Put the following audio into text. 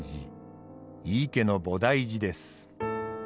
井伊家の菩提寺です。